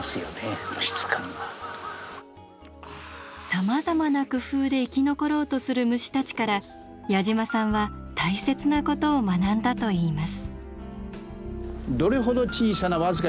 さまざまな工夫で生き残ろうとする虫たちから矢島さんは大切なことを学んだといいます。